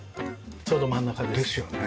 ちょうど真ん中です。ですよね。